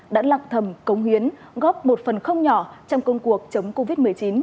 đã lạc thầm cống hiến góp một phần không nhỏ trong công cuộc chống covid một mươi chín